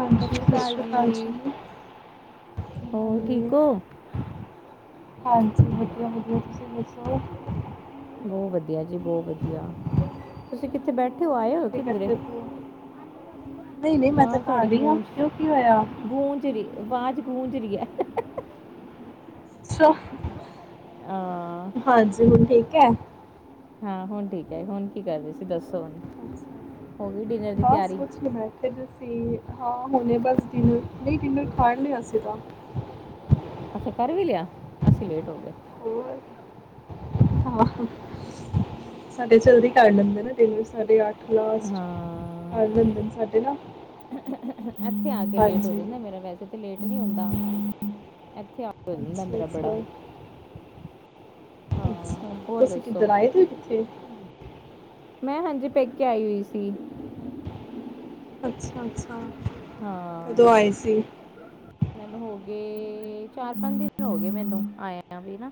ਹਾਂਜੀ, ਸਤਿ ਸ੍ਰੀ ਅਕਾਲ ਜੀ, ਹੋਰ ਠੀਕ ਹਾਂਜੀ। ਹੋ ਹਾਂਜੀ, ਵਧੀਆ-ਵਧੀਆ, ਤੁਸੀਂ ਦੱਸੋ? ਬਹੁਤ ਵਧੀਆ ਜੀ, ਬਹੁਤ ਵਧੀਆ। ਤੁਸੀਂ ਕਿੱਥੇ ਬੈਠੇ ਹੋ, ਹੋਰ ਆਏ ਹੋ ਕੀ ਕਿੱਧਰੇ? ਕਰਦੇ ਪਏ ਹੋ ਨਹੀਂ ਨਹੀਂ ਮੈਂ ਤਾਂ ਵਾਂਜ ਤੁਹਾਡੀ ਘਰ ਹੀ ਹਾਂ ਗੂੰਜ, ਕਿਉਂ ਕੀ ਹੋਇਆ ਗੂੰਜ ਰਹੀ, ਵਾਂਜ 'ਚ ਗੂੰਜ ਰਹੀ ਹੈ। ਆ, ਹਾਂਜੀ, ਹੁਣ ਠੀਕ ਹੈ? ਹਾਂ ਹੁਣ ਠੀਕ ਹੈ, ਹੁਣ ਕੀ ਕਰਦੇ ਸੀ ਦੱਸੋ? ਅੱਛਾ, ਹੋ ਗਈ ਡਿਨਰ ਦੀ ਤਿਆਰੀ? ਫ ਅਸੀਂ ਹਾਂ ਹੁਣੇ ਬਸ ਡਿਨਰ, ਨਹੀਂ ਡਿਨਰ ਕਰ ਲਿਆਸੀਂ ਤਾਂ। ਅੱਛਾ ਕਰ ਵੀ ਲਿਆ, ਅਸੀਂ ਲੇਟ ਹੋ ਗਏ। ਹੋਰ ਸਾਡੇ ਜਲਦੀ ਕਰ ਲੈਂ ਦੇ ਨਾ, ਡਿਨਰ ਸਾਢੇ ਅਠ ਲਾਸਟ, ਹਾਂ ਖਾ ਲੈਦੇਂ ਸਾਡੇ ਨਾਂ। ਇੱਥੇ ਆ ਕੇ ਲੇਟ ਹੋ ਜਾਂਦਾ ਮੇਰਾ, ਵੈਸੇ ਤਾਂ ਲੇਟ ਨੀ ਹੁੰਦਾ, ਇੱਥੇ ਆ ਦਾ ਅੱਛਾ ਮੇਰਾ ਬੜਾ ਅੱਛਾ ਹਾਂ ਅੱਛਾ, ਹੋਰ ਤੁਸੀਂ ਦੱਸੋ ਕਿੱਧਰ ਆਏ ਹੋ? ਕਿੱਥੇ ਮੈਂ, ਹਾਂਜੀ ਪੇਕੇ ਆਈ ਹੋਈ ਸੀ। ਅੱਛਾ, ਅੱਛਾ। ਹਾਂ। ਕਦੋਂ ਆਏ ਸੀ ਮੈਨੂੰ ਹੋ ਗਏ, ਚਾਰ-ਪੰਜ ਦਿਨ ਹੋ ਗਏ ਮੈਨੂੰ ਆਏ ਵੀ ਨਾ।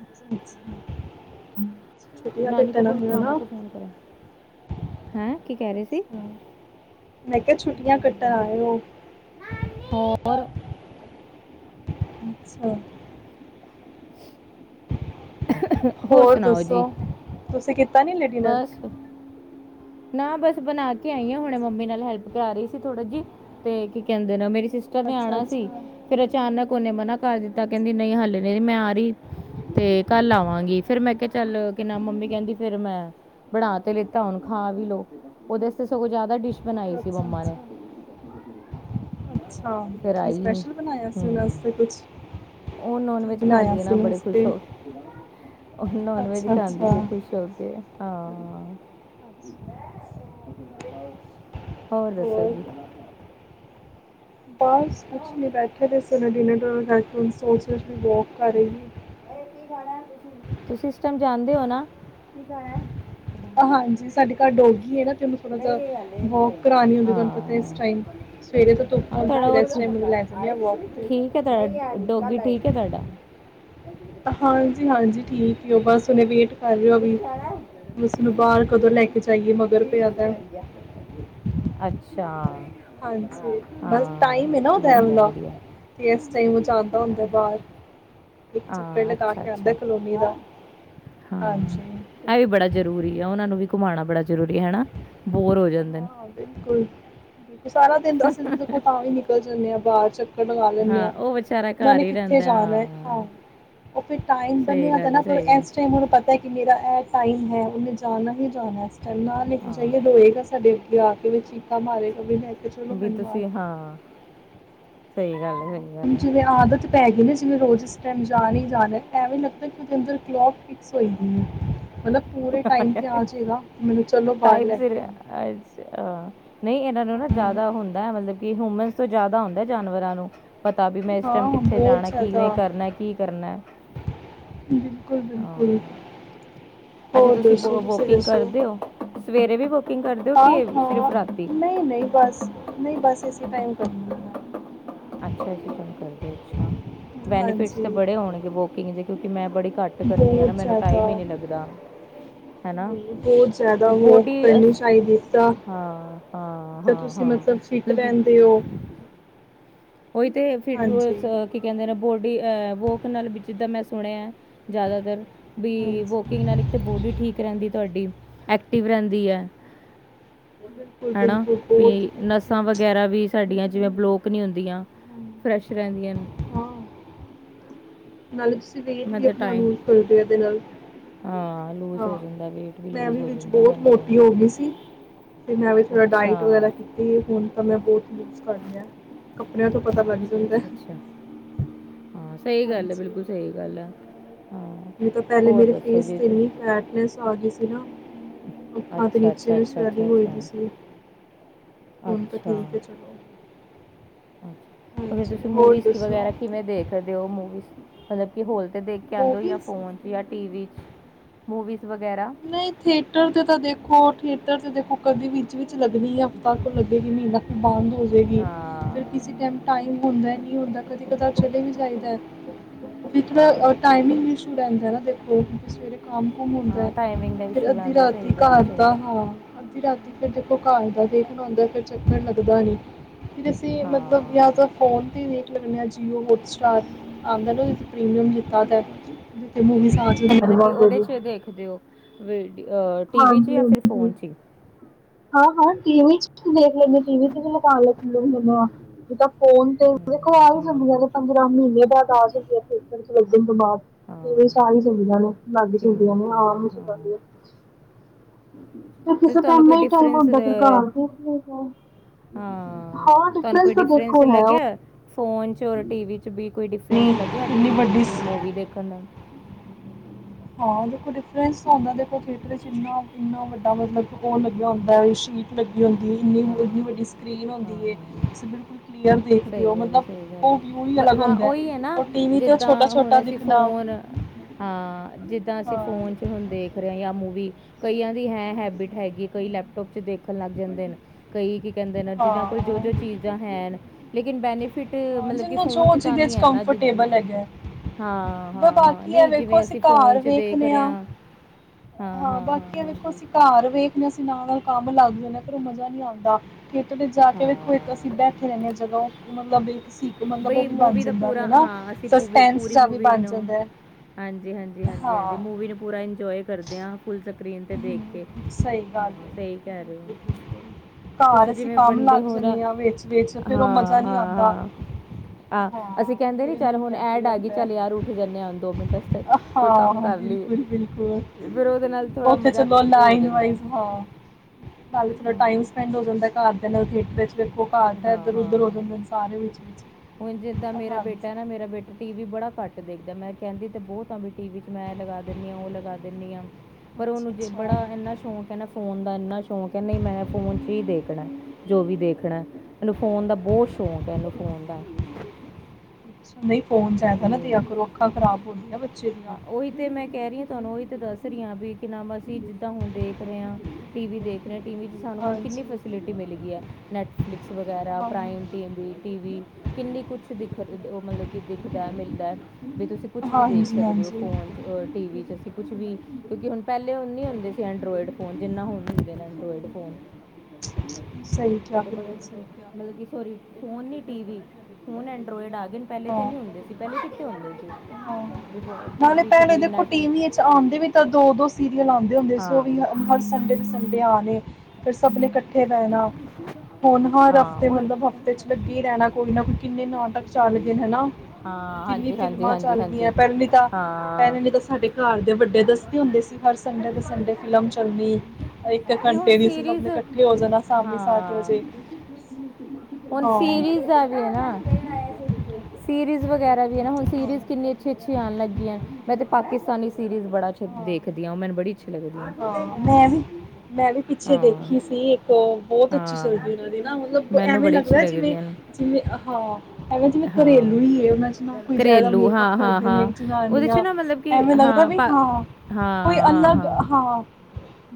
ਅੱਛਾ-ਅੱਛਾ। ਛੁੱਟੀਆ ਨਾਨੀ ਕੋ ਕਟਣ, ਬੋਲ ਆਏ ਸੀਗਾ ਮਾਮੂ ਨਾ? ਕੋ ਫੋਨ ਕਰਾਂ [unintelligible] ਹੈਂ, ਕੀ ਕਹਿ ਰਹੇ ਸੀ? ਅੱਛਾ ਮੈਂ ਕਿਹਾ, ਛੁੱਟੀਆਂ ਕੱਟਣ ਆਏਓ? ਹੋਰ ਅੱਛਾ। ਹੋਰ ਸੁਣਾਓ ਜੀ ਦੱਸੋ, ਤੁਸੀਂ ਕੀਤਾ ਨਹੀਂ ਹਲੇ ਡਿਨਰ? ਬਸ ਨਾ ਬਸ ਬਣਾ ਕੇ ਆਈ ਆ ਹੁਣੇ ਮੰਮੀ ਨਾਲ, ਹੈਲਪ ਕ ਰਾ ਰਹੀ ਸੀ ਥੋੜਾ ਜਿਹੀ, ਤੇ ਕੀ ਕਹਿੰਦੇ ਨੇ ਮੇਰੀ ਸਿਸਟਰ ਨੇ ਅੱਛਾ ਅੱਛਾ ਆਣਾ ਸੀ, ਅੱਛਾ ਫੇਰ ਅਚਾਨਕ ਉਹਨੇ ਮਨਾ ਕਰ ਦਿੱਤਾ, ਕਹਿੰਦੀ ਅੱਛਾ ਨਹੀਂ ਹਲੇੇ ਨ ਮੈਂ ਤੇ, ਕੱਲ ਆਵਾਂਗੀ। ਫੇਰ ਮੈਂ ਕਿਹਾ ਚੱਲ, ਕਿਨਾ ਮੰਮੀ ਕਹਿੰਦੀ ਫੇਰ ਮੈਂ, ਬਣਾ ਤੇ ਲਿੱਤਾ ਹੁਣ ਖਾ ਵੀ ਲੋਓ, ਉਹਦੇ ਵਾਸਤੇ ਸਗੋਂ ਜ਼ਿਆਦਾ ਡਿਸ਼ ਬਣਾਈ ਸੀ, ਮੰਮਾ ਨੇ। ਅੱਛਾ ਅੱਛਾ, ਫਿਰ ਕੀ ਆਈ ਨਹੀਂ ਸਪੈਸ਼ਲ ਬਣਾਇਆ ਸੀ, ਉਹਦੇ ਹੂੰ ਵਾਸਤੇ ਕੁਛ? ਉਹ ਨੋਨ ਕੀ ਵੈਜ ਬਣਾਇਆ ਖਾਂਦੀ ਹੈ ਸੀ ਨਾ ਉਹਨਾਂ ਬੜੇ ਖੁਸ਼ ਵਾਸਤੇ ਹੋ ਕੇ, ਉਹ ਨੋਨ ਵੈਜ ਅੱਛਾ ਅੱਛਾ ਖਾਂਦੀ ਖੁਸ਼ ਹੋਕੇ, ਹਾਂ। ਅੱਛਾ ਹੋਰ ਦੱਸੋ ਜੀ? ਬਾਸ ਕੁਛ ਨਹੀਂ ਬੈਠੇ ਦੇ ਸੀਡਿਨਰ-ਡੁਨਰ ਕਰਕੇ, ਸੋਚ ਰੀ ਵੀ, ਵੋਕ ਕਰ ਰਹੀ ਸੀ। ਇਹ ਕੀ ਤੁਸੀਂ, ਇਸ ਟਾਈਮ ਜਾਂਦੇ ਹੋ ਨਾ? ਹਾਂਜੀ, ਸਾਡੇ ਘਰ ਡੋਗੀ ਏ ਨਾ ਤੇਂ ਥੋੜਾ ਜਿਹਾ ਨਹੀਂ ਹਲੇ ਨਹੀਂ ਵੋਕ ਆਈ ਕਰਾਣੀ ਹੁੰਦੀ, ਤੁਹਾਨੂੰ ਪਤਾ ਹਾਂ ਇਸ ਟਾਈਮ, ਸਵੇਰੇ ਤੋਂ ਧੁੱਪ ਹਾਂ ਹੁੰਦੀ, ਤੁਹਾਡਾ ਫਿਰ ਉਹ ਇਸ ਠੀਕ ਟਾਇਮ ਪਕਾ ਲੈਕੇ ਚੱਲੇ ਆ, ਆਏ ਕਿ ਵਾਕ ਪੂਰੀ ਤੇ। [unintelligible] ਠੀਕ ਹੈ ਤੁਹਾਡਾ, ਡੋਗੀ ਠੀਕ ਹੈ ਤੁਹਾਡਾ? ਹਾਂਜੀ -ਹਾਂਜੀ, ਠੀਕ ਏ ਹੋ, ਬਸ ਉਹਨੇ ਵੇਟ ਕਰ ਰਹੇ ੳ ਕੁਝ ਵੀ। ਖਾਣਾ ਹੈ? ਉਸਨੂੰ ਬਾਹਰ, ਕਦੋਂ ਲੈ ਕੇ ਜਾਈਏ। ਮ ਅੱਛਾ। ਹਾਂ ਹਾਂਜੀ ਬਸ ਟਾਈਮ ਏ ਨਾ ਓ ਹਾਂ ਦੈਮ ਵਧੀਆ ਦਾ। ਵਧੀਆ 'ਤੇ ਏਸ ਟਾਈਮ ਜਾਂਦਾ ਹੁੰਦਾ ਬਾਰ। ਇੱਕ ਚੱਕਰ ਹਾਂ ਲਗਾ ਅੱਛਾ ਕੇ ਆਂਦਾ ਏ ਅੱਛਾ ਕਲੋਨੀ ਦਾ, ਹਾਂਜੀ। ਐ ਵੀ ਬੜਾ ਜ਼ਰੂਰੀ ਆ ਉਨਾਂ ਨੂੰ ਵੀ ਘੁੰਮਾਉਣਾ ਬੜਾ ਜ਼ਰੂਰੀ ਹਨਾ, ਬੋਰ ਹੋ ਜਾਂਦੇ ਨੇ। ਹਾਂ ਬਿ ਬਿਲਕੁੱਲ ਸਾਰਾ ਦਿਨ ਅਸੀਂ ਕੋਲ ਤਾਂ ਵੀ ਨਿਕਲ ਜਾਂਨੇ ਆ ਬਾਰ 'ਚ ਕੇ ਮੰਗਾ ਲੈਂਨੇ ਆ, ਹਾਂ, ਉਹ ਵਿਚਾਰਾ ਉਨਾਂ ਘਰ ਨੇ ਹੀ ਕਿੱਥੇ ਰਹਿੰਦਾ, ਜਾਣਾ ਏ ਹਾਂ। ਖਾਣ। ਓ ਫਿਰ ਟਾਈਮ ਸਹੀ ਬੰਨਿਆਂ ਤਾਂ ਗੱਲ ਨਾ ਐ, ਫੇਰ ਓ ਸਹੀ ਗੱਲ। ਐਸ ਹੈ। ਟਾਇਮ ਉਨੂੰ ਪ ਤਾ ਕਿ ਮੇਰਾ ਐ ਟਾਈਮ ਹੈ ਉਨੇ ਜਾਣਾ ਹੀ ਜਾਣਾ ਇਸ ਟਾਈਮ ਨਾ ਲੈਂ ਕੇ ਜਾਈਏ ਹਾਂ, ਰੋਏਗਾ ਡਿੱਗਿਆ ਕਿਵੇਂ ਚੀਕਾਂ ਮਾਰੇਗਾ ਵੀ ਮੈਂ ਵੀ ਤੁਸੀਂ ਹਾਂ, ਸਈ ਗੱਲ ਏ ਮੈਨੂੰ। ਹੁਣ ਜਿਵੇਂ ਆਦਤ ਪੈ ਗਈ ਨਾ ਜਿਵੇਂ ਰੋਜ਼ ਇਸ ਟਾਈਮ ਜਾਣ ਈ ਜਾਣਾ ਐਵੇ ਲੱਗਦਾ ਕੀ ਉਦੇ ਅੰਦਰ ਕਲੋਕ ਫਿਕਸ ਹੋਈ ਦੀ ਏ ਮਤਲਬ ਪੂਰੇ ਟਾਈਮ 'ਤੇ ਆਜੇਗਾ ਮੈਨੂੰ ਚਲੋ ਬਾਹਰ ਟਾਈਪ ਲੈ ਸਿਰ ਕੇ ਆ। ਅੱਛਾ ਨਈ ਏਨਾਂ ਨੂੰ ਨਾ ਹਾਂ ਜਿਆਦਾ ਹੁੰਦਾ ਮਤਲਬ ਕਿ ਹਿਊਮਨਸ ਤੋਂ ਜਿਆਦਾ ਹੁੰਦਾ ਜਾਨਵਰਾਂ ਨੂੰ ਪਤਾ ਵੀ ਮੈਂ ਇਸ ਹਾਂ ਟਾਈਮ ਕਿੱਥੇ ਬਹੁਤ ਜਾਣਾ, ਜ਼ਿਆਦਾ ਕਿਵੇਂ ਕਰਨਾ, ਕੀ ਕਰਨਾ। ਬਿਲਕੁੱਲ-ਬਿਲਕੁੱਲ। ਹਾਂ, ਅੱਛਾ ਤੁਸੀਂ ਬੋ ਬੋਕਿੰਗ ਕਰਦੇ ਓ, ਸਵੇਰੇ ਵੀ ਬੋਕਿੰਗ ਕਰ ਆ ਹੋ, ਨਈ-ਨਈ ਬਸ ਨਈ ਬਸ ਇਸੀ ਟਾਈਮ 'ਤੇ ਹੁੰਨੀ ਆ। ਮੈਂ ਅੱਛਾ-ਅੱਛਾ ਛਾ ਕਰਦੇ ਓ ਅੱਛਾ ਬੈਨੀਫਿਟਸ 'ਤੇ ਹਾਂਜੀ ਬੜੇ ਹੋਣਗੇ ਬੋਕਿੰਗ ਦੇ ਕਿਉਂਕਿ ਮੈਂ ਬੜੀ ਘੱਟ ਕਰਦੀ ਆ ਨਾ ਮੈਨੂੰ ਟਾਇਮ ਈ ਨੀ ਲੱਗਦਾ। ਹੈ ਨਾ ਮੈਨੂੰ ਬੋ ਜਿਆਦਾ ਵੀ ਵੋਕ ਬੋਡੀ ਹਾਂ ਕਰਨੀ ਚਾਈਦੀ ਇਵ ਤਾਂ। ਹਾਂ 'ਤੇ ਹਾਂ ਤੁਸੀਂ ਹਾਂ ਮਤਲਬ ਫਿੱਟ ਰਹਿੰਦੇ ਓ। ਉਈ 'ਤੇ ਫਿਰ ਵੋ ਸ ਹਾਂਜੀ ਕੀ ਕਹਿੰਦੇ ਨੇ ਬੋਡੀ ਅ ਵੋਕ ਨਾਲ ਜਿੱਦਾਂ ਮੈਂ ਸੁਣਿਆ ਜ਼ਿਆਦਾਤਰ ਵੀ ਹਾਂਜੀ ਵੋਕਿੰਗ ਨਾਲ ਇੱਕ 'ਤੇ ਬੋਡੀ ਠੀਕ ਰਹਿੰਦੀ ਤੁਹਾਡੀ, ਐਕਟਿਵ ਰਹਿੰਦੀ ਐ। ਬਿਲਕੁਲ ਹਨਾ ਬਿਲਕੁਲ ਬਹੁਤ ਵੀ ਨ ਸਾ ਵਗੈਰਾ ਵੀ ਸਾਡੀਆਂ ਜਿਵੇਂ ਬਲੋਕ ਨੀ ਹੁੰਦੀਆਂ, ਫਰੈਸ਼ ਰਹਿੰਦੀਆਂ ਅਨ। ਹਾਂ ਨਾਲੇ ਤੁਸੀਂ ਵੇਟ ਮੈਂ ਵੀ ਤਾਂ ਆਪਣਾ ਟਾਈਮ ਲੂਜ ਕਰਦੇ ਓ ਏਦੇ ਨਾਲ। ਹਾਂ ਲੂਜ਼ ਹਾਂ ਹੋ ਜਾਂਦਾ, ਵੇਟ ਵੀ ਮੈਂ ਲੂਜ਼ ਹੋ ਵਿੱਚ ਜਾਂਦਾ ਹਾਂਜੀ-ਹਾਂਜੀ। 'ਤੇ ਮੈਂ ਵੀ ਥੋੜਾ ਡਾਇਟ ਵਗੈਰਾ ਕੀਤੀ ਹੁਣ ਤਾਂ ਮੈਂ ਬੋਤ ਲੂਜ਼ ਕਰ ਲੈ ਆ। ਕੱਪੜਿਆਂ ਤੋਂ ਪਤਾ ਅੱਛਾ ਲੱਗ ਜਾਂਦਾ। ਅੱਛਾ ਅੱਛਾ ਹਾਂ ਸਈ ਗੱਲ ਐ ਹਾਂਜੀ ਬਿਲਕੁੱਲ ਸਈ ਗੱਲ ਐ, ਹਾਂ। ਨੀ ਤਾਂ ਪਹਿਲੇ ਹੋਰ ਮੇਰੇ ਦੱਸੋ ਫੇਸ ਜੀ 'ਤੇ ਇੰਨੀ ਤੁਸੀਂ ਫੈਟਨੈਸ ਆਗੀ ਸੀ ਨਾ ਅੱਖਾਂ 'ਤੇ ਅੱਛਾ ਨੀਚੇ ਅੱਛਾ ਵੀ ਅੱਛਾ ਅੱਛਾ ਸਵੈਲਿਗ ਅੱਛਾ ਹੋਗੀ ਸੀ। ਅੱਛਾ ਹੁਣ 'ਤੇ ਠੀਕ ਏ ਚਲੋ। ਅੱਛਾ ਫਿਰ ਹਾਂਜੀ ਤੁਸੀਂ ਹੋਰ ਮੂਵੀਜ਼ ਦੱਸੋ ਵਗੈਰਾ ਕਿਵੇਂ ਦੇਖ ਸਕਦੇ ਓ ਮੂਵੀਜ਼ ਮਤਲਬ ਕਿ ਹੋਲ 'ਤੇ ਦੇਖ ਕੇ ਆਂਦੇ ਓ ਜਾਂ ਮੂਵੀਜ਼ ਫੋਨ ਜਾਂ ਟੀ ਵੀ, ਮੂਵੀਜ਼ ਵਗੈਰਾ। ਨਈ ਥੀਏਟਰ 'ਤੇ ਤਾਂ ਦੇਖੋ ਥੀਏਟਰ 'ਤੇ ਦੇਖੋ ਕਦੇ ਵਿੱਚ-ਵਿੱਚ ਲੱਗਨੀ ਆ ਹਫ਼ਤਾ ਕ ਲੱਗੇਗੀ ਮ੍ਹੀਨਾ ਬੰਦ ਹੋਜੇਗੀ। ਹਾਂ ਫਿਰ ਕਿਸੀ ਟਾਈਮ, ਟਾਈਮ ਹੁੰਦਾ ਨੀ ਹੁੰਦਾ ਕਦੇ ਕਦਾਰ ਚਲੇ ਵੀ ਜਾਈਦੈ। ਵਿੱਚ ਹਾਂ ਤਾਂ ਟਾਈਮਿੰਗ ਈਸ਼ੂ ਰਹਿੰਦਾ ਨਾ ਦੇਖੋ ਕਿਉਂਕਿ ਸਵੇਰੇ ਕੰਮ ਕੁੰਮ ਹਾਂ ਹੁੰਦਾ। ਟਾਈਮਿੰਗ ਦਾ ਫੇਰ ਇਸ਼ੂ ਅੱਧੀ ਰਹਿੰਦਾ ਰਾਤੀ ਸਹੀ ਗੱਲ ਹੈ ਘਰ ਦਾ ਸਹੀ ਹਾਂ ਅੱ ਧੀ ਰਾਤੀ ਫੇਰ ਦੇਖੋ ਘਰ ਦਾ ਦੇਖਣ ਆਉਂਦਾ ਫੇਰ ਚੱਕਰ ਲੱਗਦਾ ਨੀ। ਫਿਰ ਅਸੀਂ ਮਤਲਬ ਜਾਂ ਹਾਂ ਤਾਂ ਫੋਨ 'ਤੇ ਈ ਵੇ ਟਲਵੰਨਿਆ ਜੀਓ ਹੋਟਸਟਾਰ ਆਉਂਦਾ ਨਾ ਪ੍ਰੀਮੀਅਮ ਜਤਾ ਤੇ। ਮੂਵੀਜ਼ ਆ ਠੀਕ ਐ ਠੀਕ ਮਤਲਬ ਜਾਂਦੀਆਂ ਕਿ ਉਦੇ 'ਚ ਦੇਖਦੇ ਓ ਵੀਡ ਅ ਟੀ ਵੀ 'ਚ ਜਾਂ ਫਿਰ ਫੋਨ 'ਚ ਈ। ਹਾਂ- ਹਾਂ ਟੀ ਵੀ 'ਚ ਦੇਖ ਲੈਂਦੇ ਟੀ ਵੀ ਲਗਾ ਲੈਂਦੇ ਹੁੰਦੇ ਆਂ। ਜਿਦਾ ਫੋਨ ਤੇ ਦੇਖੋ ਆ ਹਮ, ਹੀ ਜਾਂਦੀਆ ਹਮ, ਪੰਦਰਾਂ ਮਹੀਨੇ ਬਾਅਦ ਆ ਜਾਂਦੀਆ 'ਚ ਲੱਗਣ ਤੋਂ ਬਾਅਦ ਇਹ ਹਾਂ ਸਾਰੀ ਜਾਦੀਆਂ ਲੱਗ ਜਾਂਦੀਆ ਨੇ ਆਮ ਜੀ ਗੱਲ ਹੈ ਤੇ ਤੁਹਾਨੂੰ ਕੋਈ ਡਿਫ ਤੇ ਬੰਦਾ ਸਰਕਾਰ ਤੋਂ ਕੀ ਕਹਿਣ ਹਾਂ ਹਾਂ ਤੁਹਾਨੂੰ ਡਿਫਰੈਂਸ ਕੋਈ ਤਾਂ ਦੇਖੋ ਹਾਂ ਲੱਗਿਆ ਫੋਨ 'ਚ ਔਰ ਟੀਵੀ 'ਚ ਵੀ ਕੋਈ ਡਿਫਰੈਂਸ ਲੱਗਿਆ ਵੀ ਇੰਨੀ ਵੱਡੀ ਮੂਵੀ ਦੇਖਣ ਦਾ। ਹਾਂ ਦੇਖੋ ਡਿਫਰੈਂਸ ਦੇ ਹਿਸਾਬ ਨਾਲ ਦੇਖੋ ਥੀਏਟਰ 'ਚ ਇਨਾ, ਇੰਨਾ ਵੱਡਾ ਮਤਲਬ ਉਹ ਲੱਗਿਆ ਹੁੰਦਾ ਏ ਸੀਟ ਲੱਗੀ ਹੁੰਦੀ ਐ ਇੰਨੀ ਹਾਂ ਵੱਡੀ ਸਕਰੀਨ ਹਾਂ ਹੁੰਦੀ ਏ, ਹਾਂ ਤੁਸੀਂ ਬਿਲਕੁਲ ਕਲੀਅਰ ਦੇਖਦੇ ਸਹੀ ਹੋ ਗੱਲ ਹੈ ਮਤਲਬ ਸਹੀ ਗੱਲ ਉਹ ਏ, ਵਿਊ ਹੀ ਅਲੱਗ ਹਾਂ ਹੁੰਦਾ ਹੈ ਉਹੀ ਐ ਨਾ ਔਰ ਟੀ ਵੀ ਤੇ ਉਹ ਛੋਟਾ ਜਿੱਦਾਂ ਛੋਟਾ ਹੁਣ ਅਸੀਂ ਦਿਖਣਾ ਫੋਨ ਹਾਂ, ਜਿੱਦਾਂ ਅਸੀਂ ਹਾਂ ਫੋਨ'ਚ ਤੇ ਹੁਣ ਦੇਖ ਰਹੇ ਮੂਵੀ, ਕਈਆਂ ਦੀ ਹੈਂ ਹੈਬਿਟ ਹੈਗੀ ਕਈ ਲੈਪਟੋਪ'ਚ ਦੇਖਣ ਲੱਗ ਜਾਂਦੇ ਨੇ। ਕਈ ਕੀ ਕਹਿੰਦੇ ਨੇ ਜਿਹਨਾਂ ਕੋਲ ਹਾਂ ਜੋ-ਜੋ ਚੀਜ਼ਾਂ ਹੈਨ ਲੇਕਿਨ ਬੈਨੀਫਿਟ ਮਤ ਹਾਂ ਮਤਲਬ ਕਿ ਜਿਹਨੂੰ ਫੋਨ ਜੋ 'ਚ ਤਾਂ ਜਿਹਦੇ ਨੀ ਹੈ ਨਾ ਜ ਕੰਫਰਟੇਬਲ ਹੈਗਾ ਹਾਂ ਬ -ਹਾਂ- ਹਾਂ ਬਾਕੀ ਇਹ ਨਹੀਂ ਵੇਖੋ ਜਿਵੇਂ ਅਸੀਂ ਫੋਨ ਘਰ 'ਚ ਦੇਖ ਵੇਖਦੇ ਰਹੇ ਹਾਂ। ਹਾਂ- ਹਾਂ -ਹਾਂ ਬਾਕੀ ਇਹ ਵੇਖੋ ਹਾਂਜੀ। ਅਸੀਂ ਘਰ ਵੇਖਨਾ ਸੀਂ ਨਾਲ-ਨਾਲ ਕੰਮ ਲੱਗ ਜਾਂਦੇ ਫੇਰ ਉਹ ਮਜ਼ਾ ਨਹੀ ਆਂਦਾ। ਇਕ ਤੇ ਜਾ ਕੇ ਵੇਖੋ ਇੱਕ ਅਸੀਂ ਹਾਂ ਬੈਠੇ ਰਹਿੰਦੇ ਆ, ਜਗ੍ਹਾ ਮਤਲਬ ਵੀ ਸੀਕ ਮਤਲਬ ਉਹ ਬਈ ਬਣ ਮੂਵੀ ਦਾ ਜਾਂਦਾ ਪੂਰਾ ਹੈ ਨਾ ਹਾਂ, ਅਸੀਂ ਪੂ ਸਸਪੈਂਸ ਪੂਰੀ ਜਾ ਵੀ ਮੂਵੀ ਬਣ ਨੂੰ ਜਾਂਦਾ ਹੈ ਹਾਂਜੀ- ਹਾਂਜੀ- ਹਾਂਜੀ- ਹਾਂਜੀ, ਹਾਂ ਮੂਵੀ ਨੂੰ ਪੂਰਾ ਇੰਜੋਏ ਕਰਦੇ ਆ ਫੁਲ ਚਕਰ ਸਕਰੀਨ ਤੇ ਦੇਖ ਕੇ, ਹਮ, ਸਹੀ ਗੱਲ ਹਾਂ ਹੈ ਸਹੀ ਕਹਿ ਰਹੇ ਓ। ਬਿਲਕੁਲ ਬਿਲਕੁਲ ਕੁਛ ਘਰ ਅਸੀਂ ਜਿਵੇਂ ਕੰਮ ਬਣਦੇ ਲੱਗ ਹੋਰ ਆ, ਜਾਂਦੇ ਹਾਂ ਵਿੱਚ ਵਿੱਚ ਫਿਰ ਉਹ ਮਜ਼ਾ ਹਾਂ- ਨਹੀਂ ਹਾਂ- ਆਉਂਦਾ ਹਾਂ। ਹਾਂ, ਅਸੀਂ ਕਹਿੰਦੇ ਨੀ ਮੇਰੇ ਨਾਲ ਚੱਲ ਵੀ ਹੁਣ ਇੱਦਾਂ ਐਡ ਹੀ ਆ ਗਈ ਹੁੰਦਾ ਹੈ ਚੱਲ ਯਾਰ ਉੱਠ ਜਾਂਦੇ ਆ ਦੋ ਮਿੰਟ ਵਾਸਤੇ। ਹਾਂ, ਹਾ ਬਿਲਕੁਲ-ਬਿਲਕੁਲ। ਫੇਰ ਉਹਦੇ ਨਾਲ ਥੋੜ੍ਹਾ ਉੱਥੇ ਮਜ਼ਾ ਚਲੋ ਉਹ ਹੋ ਲਾਈਨ ਜਾਂਦਾ। ਹੈ। ਵਾਈਜ਼ ਹਾਂ। ਨਾਲੇ ਥੋੜਾ ਹਾਂ, ਟਾਈਮ ਸਪੈਂਡ ਹੋ ਜਾਂਦਾ ਘਰ ਦੇ ਨਾਲ ਥੀਏਟਰ ਵਿੱਚ ਵੇਖੋ ਪਾਰਟ ਹੈ ਹਾਂ, ਇਧਰ-ਉਧਰ ਹੋ ਹਾਂ। ਜਾਓ ਇਨਸਾਨ ਵਿੱਚ-ਵਿੱਚ, ਹਾਂਜੀ। ਹੈਨਾ ਮੇਰਾ ਬੇ ਟੀ ਵੀ ਬੜਾ ਘੱਟ ਦੇਖਦਾ ਮੈਂ ਕੈਂਦੀ ਤੇ ਬਹੁਤ ਆ ਵੀ ਟੀ 'ਚ ਮੈਂ ਲਗਾ ਦਿੰਦੀ ਆ ਉਹ ਲਗਾ ਦਿੰਦੀ ਆ। ਪਰ ਅੱਛਾ ਉਹਨੂੰ ਜੇ ਅੱਛਾ ਬੜਾ ਏਨਾ ਸ਼ੌਂਕ ਏ ਨਾ ਫੋਨ ਦਾ ਇੰਨਾ ਸ਼ੌਕ ਏ, ਨਹੀਂ ਮੈਂ ਫੋਨ 'ਚ ਹੀ ਦੇਖਣਾ ਜੋ ਵੀ ਦੇਖਣਾ। ਇਹਨੂੰ ਫੋਨ ਦਾ ਬਹੁਤ ਸ਼ੌਕ ਐ ਇਹਨੂੰ ਫੋਨ ਦਾ। ਅੱਛਾ ਨਹੀਂ, ਫੋਨ ਜਿਆਦਾ ਨਾ ਵੀ ਦਿਆ ਕਰੋ ਅੱਖਾਂ ਖਰਾਬ ਹੁੰਦੀਆਂ ਬੱਚੇ ਦੀਆਂ। ਹਾਂ ਉਹੀ ਤੇ ਮੈਂ ਕਹਿ ਰਹੀ ਆ ਤੁਹਾਨੂੰ ਉਹੀ ਤਾਂ ਦੱਸ ਰਹੀ ਆ ਵੀ ਇਕਦਮ ਅਸੀਂ ਜਿੱਦਾਂ ਹੁਣ ਦੇਖ ਰਹੇ ਆ। ਟੀ-ਵੀ ਦੇਖ ਰਹੇ ਆ ਟੀ ਵੀ 'ਚ ਸਾਨੂੰ ਹੁਣ ਕਿੰਨੀ ਹਾਂਜੀ ਫੈਸਿਲਿਟੀ ਮਿਲ ਗਈ ਹੈ, ਨੈੱਟਫਲਿਕਸ ਹਾਂ ਵਗੈਰਾ, ਹਾਂਜੀ ਪ੍ਰਾਈਮ ਟੀਮ ਵੀ ਟੀ ਵੀ ਕਿੰਨੀ ਕੁਛ ਦਿਖਤ ਮਤਲਬ ਕਿ ਦਿਖ ਮਿਲਦਾ ਮਿਲਦਾ ਵੀ ਤੁਸੀਂ ਕੁਛ ਵੀ ਦੇਖ ਹਾਂਜੀ ਸਕਦੇ ਹੋ ਹਾਂ, ਫੋਨ ਟੀ-ਵੀ 'ਚ ਅਸੀਂ ਕੁਛ ਵੀ, ਕਿਉਂਕਿ ਹੁਣ ਪਹਿਲੇ ਉਨੀ ਹੁੰਦੇ ਸੀ ਐਂਡਰੋਇਡ ਫੋਨ ਜਿੰਨਾ ਹੁਣ ਹੁੰਦੇ ਨੇ ਐਂਡੋਇਡ ਫੋ਼ਨ, ਸਹੀ ਕਿਹਾ ਪਹਿਲੇ ਬੜੇ ਬਿਲਕੁਲ ਸਹੀ ਕਿਹਾ ਮਤਲਬ ਕੀ ਸੋਰੀ, ਫੋਨ ਨਈ ਟੀ-ਵੀ, ਹੁਣ ਐਂਡਰਾਇਡ ਆ ਗਏ ਪਹਿਲੇ ਤੇ ਹਾਂ ਨੀ ਹੁੰਦੇ ਸੀ ਪਹਿਲੇ ਕਿੱਥੇ ਹੁੰਦੇ ਸੀ। ਹਾਂ, ਵੀ ਨਾਲੇ ਟੀਵੀ 'ਚ ਪਹਿਲੇ ਬਈ ਦੇਖੋ ਨੈਟ ਟੀਵੀ 'ਚ ਆਂਉਦੇ ਵੀ ਤਾਂ ਦੋ-ਦੋ ਸੀਰੀਅਲ ਆਉਂਦੇ ਹੁੰਦੇ ਸੀ ਉਹ ਨੀ ਹਾਂ ਹਰ ਸੰਡੇ ਦੇ ਸੰਡੇ ਆਣੇ, ਫੇਰ ਸਭ ਨੇ ਇਕੱਠੇ ਬਹਿਨਾ। ਹੁਣ ਹਰ ਹਾਂ ਹਫ਼ਤੇ ਓਏ ਮਤਲਬ ਹਫ਼ਤੇ 'ਚ ਲੱਗੇ ਰਹਿਣਾ ਕੋਈ ਨਾ ਕੋਈ ਕਿੰਨੇ ਨਾਟਲ ਚੱਲ ਗਏ ਹਨਾ। ਹਾਂ, ਹਾਂਜੀ-ਹਾਂਜੀ ਹਾਂ ਚੱਲ ਗਈਆਂ, ਪੈਲੀ ਤਾਂ ਪੈਲੀ ਤਾਂ ਸਾਡੇ ਘਰ ਦੇ ਵੱਡੇ ਦੱਸਦੇ ਹੁੰਦੇ ਸੀ ਹਰ ਸ ਸੰਡੇ ਤੋਂ ਸੰਡੇ ਫਿਲਮ ਚੱਲਣੀ, ਇੱਕ ਵੀ ਹੁਣ ਘੰਟੇ ਵਿਚ ਸੀਰੀਜ਼ ਸਭਣੇ ਇਕੱਠੇ ਹੋ ਜਾਣਾ ਸ਼ਾਮੀ ਸੱਤ ਹਾਂ ਵਜੇ। ਹੁਣ ਹਾਂ ਸੀਰੀਜ਼ ਆ ਵੀ ਨਾ, ਸੀਰੀਜ਼ ਵਗੈਰਾ ਵੀ ਐ ਨਾ ਹੁਣ ਹਾਂ ਸੀਰੀਜ ਕਿੰਨੀ ਅੱਛੀ-ਅੱਛੀ ਆਣ ਲੱਗੀਆਂ, ਮੈਂ ਤਾਂ ਪਾਕਿਸਤਾਨੀ ਸੀਰੀਜ਼ ਬੜਾ ਅੱਛ ਹਾਂ ਦੇਖਦੀਆਂ ਮੈਨੂੰ ਬੜੀ ਅੱਛੀ ਲਗਦੀ ਆ। ਹਾਂ ਮੈਂ ਵੀ, ਮੈਂ ਵੀ ਪਿੱਛੇ ਹਾਂ ਦੇਖੀ ਸੀ ਇੱਕ ਬੋਤ ਅੱਛੀ ਹਾਂ ਸਰਦੀ ੳਨਾਂ ਦੀ ਨਾ ਮਤਲਬ ਮੈਨੂੰ ਐਵੇਂ ਬੜੀ ਅੱਛੀ ਲੱਗਦਾ ਜਿਵੇਂ, ਲੱਗਦੀ ਹਨ ਜਿਵੇਂ ਹਾਂ, ਐਵੇਂ ਜਿਵੇਂ ਹਾਂ ਘਰੇਲੂ ਕੀ ਏ ਓਨਾ ਚ ਨਾ ਕੋਈ ਜਾਦਾ ਘਰੇਲੂ ਮੇਕਅਪ ਹਾਂ ਹਾਂ ਕਰਦੇ ਨੇ ਹਾਂ ਉਹਦੇ ਜਨਾਨੀਆਂ, ਐਵੇਂ ਲੱਗਦਾ ਵੀ ਹਾਂ ਕੋਈ ਹਾਂ-ਹਾਂ। ਅਲੱਗ ਹਾਂ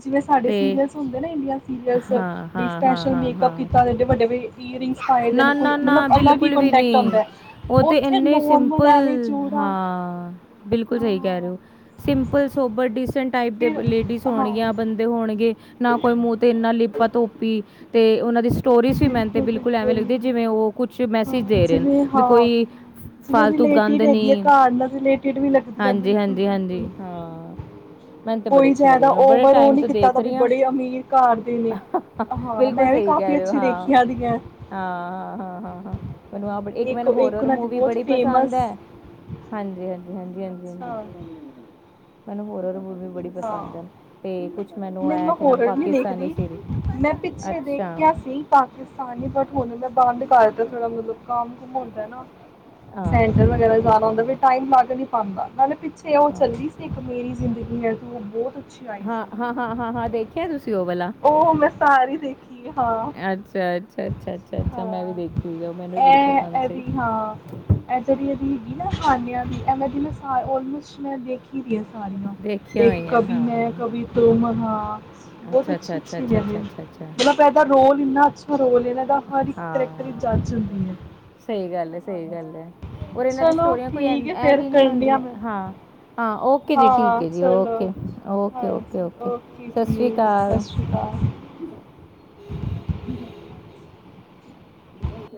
ਜਿਵੇਂ ਸਾਡੇ ਤੇ ਸੀਰੀਅਲਸ ਹੁੰਦੇ ਨੇ ਇੰਡੀਆ ਸੀਰੀਅਲਸ, ਹਾਂ, ਵੀ ਹਾਂ, ਹਾਂ, ਸਪੈਸ਼ਲ ਹਾਂ, ਮੇਕਅਪ ਹਾਂ। ਕੀਤਾ ਐਡੇ ਵੱਡੇ ਵ ਈਅਰਿੰਗਸ ਪਾਏ ਦੇ ਨੇ ਕੋਈ ਨਾ-ਨਾ-ਨਾ ਮਤਲਬ ਅਲੱਗ ਬਿਲਕੁਲ ਵੀ ਕੋਂਟੈਕਟ ਨਹੀਂ। ਆਂਦਾ। ਉਹ ਤੇ ੳਥੇ ਇੰਨੇ ਨੋਰਮਲ ਸਿੰਪਲ ਐਵੇਂ ਚੂੜਾ ਹਾਂ, ਬਿਲਕੁਲ ਸਹੀ ਕੈ ਰਏ ਹਾਂ ੳ। ਸਿੰਪਲ, ਸੋਬਰ ਡਿਸ ਡੀਸੇਂਟ ਟਾਈਪ ਦੇ ਫਿਰ ਲੇਡੀਸ ਹਾਂ ਹੋਨਗੀਆਂ ਬੰਦੇ ਹੋਨਗੇ ਨਾ ਕੋਈ ਮੂਹ ਤੇ ਇਨਾ ਲਿਪਾ ਤੋਪੀ ਤੇ ੳਨਾਂ ਦੀ ਸਟੋਰੀ ਸੀ ਮੈਨ ਤੇ ਬਿਲਕੁਲ ਐਵੇਂ ਲੱਗਦੀ ਏ ਜਿਵੇਂ ੳਹ ਕੁਛ ਹਾਂ ਮੈਸੇਜ ਦੇ ਰੇ ਨੇ ਜਿਵੇਂ ਵੀ ਹਾਂ ਕੋਈ ਜਿਵੇਂ ਫਾਲਤੂ ਗੰਦ ਰਿਲੇਟਿਡ ਹੈਗੀ ਆ, ਨਹੀਂ ਘਰ ਨਾਲ ਰਿਲੇਟਿਡ ਵੀ ਲਗਦੀ ਆ ਹਾਂਜੀ, ਹਾਂਜੀ, ਹਾਂਜੀ, ਬਿਲਕੁਲ-ਬਿਲਕੁਲ। ਹਾਂ। ਮੈਨੂੰ ਤਾਂ ਬੜੇ ਕੋਈ ਅੱਛੇ ਲੱਗਦੇ ਜਾਦਾ ਨੇ, ਮੈਂ ਬੜੇ ਔਵਰ ੳਹ ਟਾਈਮ ਨਈ ਤੋਂ ਕੀਤਾ ਦੇਖ ਦਾ ਵੀ ਰਹੀ ਹਾਂ। ਬੜੇ ਅਮੀਰ ਘਰ ਦੇ ਨੇ। ਹਾਂ ਮੈਂ ਵੀ ਕਾਫੀ ਅੱਛੀ ਦੇਖੀਆਂ ਦੀਆਂ। ਹਾਂ-ਹਾਂ-ਹਾਂ-ਹਾਂ-ਹਾਂ ਮੈਨੂੰ ਆਪ, ਇੱਕ ਮੈਨੂੰ ਹੋਰ ਉਹਨਾਂ ਦੀ ਮੂਵੀ ਬਹੁਤ ਬੜੀ ਪਸੰਦ ਫੇਮਸ ਐ। ਅੱਛਾ ਹਾਂਜੀ-ਹਾਂਜੀ-ਹਾਂਜੀ-ਹਾਂਜੀ-ਹਾਂਜੀ ਮੈਨੂੰ ਹੋਰਰ ਮੂਵੀ ਬੜੀ ਹਾਂ ਪਸੰਦ ਐ ਤੇ ਕੁਛ ਮੈਨੂੰ ਨਹੀਂ ਐ ਮੈਂ ਕੀ ਨਾਮ ਹੋਰਰ ਨਹੀਂ ਪਾਕਿਸਤਾਨੀ ਦੇਖਦੀ ਸੀਰੀਜ, ਮੈਂ ਪਿੱਛੇ ਅੱਛਾ। ਦੇਖਿਆ ਸੀ ਪਾਕਿਸਤਾਨੀ ਬਟ ਹੁਣ ਮੈਂ ਬੰਦ ਕਰ ਦਿੱਤਾ ਮਤਲਬ ਕੰਮ ਕੁਮ ਹੁੰਦਾ ਏ ਨਾ ਹਾਂ, ਸੈਂਟਰ ਠੀਕ ਵਗੈਰਾ ਹੈ, ਵੀ ਠੀਕ ਜਾਨਾ ਹੈ, ਹੁੰਦਾ ਫੇਰ ਠੀਕ। ਟਾਇਮ ਲੱਗ ਨੀ ਆਂਦਾ ਨਾਲੇ ਪਿੱਛੇ ੳਹ ਹਾਂ। ਚੱਲਦੀ ਸੀ ਇੱਕ, ਮੇਰੀ ਜ਼ਿੰਦਗੀ ਹੈ ਤੂੰ, ੳਹ ਬੋਤ ਹਾਂ-ਹਾਂ-ਹਾਂ-ਹਾਂ-ਹਾਂ ਦੇਖੇਆ ਤੁਸੀ ੳਹ ਵਾਲਾ ੳਹ ਮੈਂ ਸਾਰੀ ਦੇਖੀ ਏ, ਹਾਂ-ਹਾਂ। ਅੱਛਾ, ਅੱਛਾ, ਅੱਛਾ, ਅੱਛਾ, ਅੱਛਾ ਮੈਂ ਵੀ ਦੇਖੀ ਹੋਈ ਆ, ਉਹ ਮੈਨੂੰ ਵੀ ਬੜੀ ਪਸੰਦ ਇਹ-ਇਹ ਸੀ। ਵੀ ਹਾਂ। ਏ ਜੇੜੀ ਏਦੀ ਹੈਗੀ ਨਾ ਖਾਣੇਆ ਦੀ, ਏ ਮੈਂ ਏਦੀ ਸਾਰੀ ਆਲਮੋਸਟ ਮੈਂ ਦੇਖੀ ਦੇਖੀ ਦੀਆਂ ਸਾਰੀਆਂ। ਦੇਖੀਆਂ ਇੱਕ ਹੋਈਆਂ ਨੇ ਕਭੀ ਮੈਂ ਹਾਂ। ਕਭੀ ਤੁਮ, ਹਾਂ ਬੋਤ ਅੱਛਾ, ਅੱਛੀ ਅੱਛਾ, ਅੱਛਾ, ਅੱਛਾ, ਅੱਛਾ, ਅੱਛਾ, ਅੱਛਾ। ਮਤਲਬ ਏਦਾ ਰੋਲ ਇਨਾ ਅੱਛਾ ਰੋਲ ਏਦਾ ਅ ਹਰ ਇੱਕ ਕਰੈਕਟਰ ਦੀ ਹਾਂ। ਜਾਚ ਹੁੰਦੀ ਐ। ਸਹੀ ਗੱਲ ਏ, ਸਹੀ ਗੱਲ ਏ, ਔਰ ਏਨਾ ਦੀ ਚਲੋ ਸਟੋਰੀਆਂ ਕੋਈ ਠੀਕ ਹੈ ਐ ਫਿਰ ਵੀ ਨੀ ਕਰਨੀ ਆ ਹੁੰਦੀਆਂ ਮੈਂ ਹਾਂ ਹਾਂ ਓਕੇ ਜੀ ਹਾਂ ਠੀਕ ਏ ਜੀ। ਚਲੋ ਹਾਂਜੀ ਓਕੇ-ਓਕੇ-ਓਕੇ-ਓਕੇ ਓਕੇ ਸਤਿ ਸ਼੍ਰੀ ਜੀ ਸਤਿ ਅਕਾਲ। ਸ਼੍ਰੀ ਅਕਾਲ